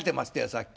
さっき。